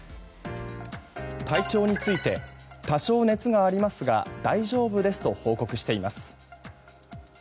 体調について多少、熱がありますが大丈夫ですと報告しています。